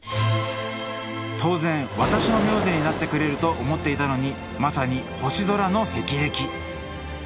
当然私の名字になってくれると思っていたのにまさに星空のへきれき。